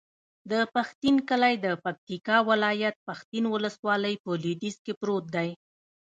د پښتین کلی د پکتیکا ولایت، پښتین ولسوالي په لویدیځ کې پروت دی.